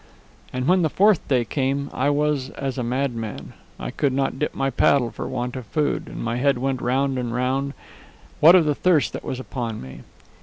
"And when the fourth day came, I was as a madman. I could not dip my paddle for want of food; and my head went round and round, what of the thirst that was upon me.